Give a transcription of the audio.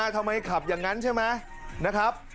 ทำไมขับอย่างนั้นใช่ไหมนะครับ